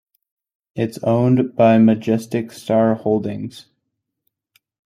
It is owned by Majestic Star Holdings.